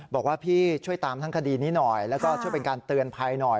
บอกว่าพี่ช่วยตามทั้งคดีนี้หน่อยแล้วก็ช่วยเป็นการเตือนภัยหน่อย